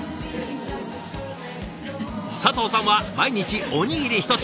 佐藤さんは毎日おにぎり１つ。